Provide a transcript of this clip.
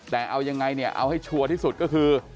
แต่เอายังไงเนี่ยเอาให้ชัวร์ที่สุดก็คือ